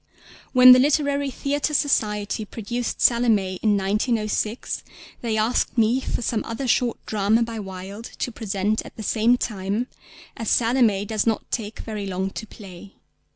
When the Literary Theatre Society produced Salomé in 1906 they asked me for some other short drama by Wilde to present at the same time, as Salomé does not take very long to play.